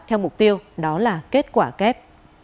theo mục tiêu đó là kết quả kép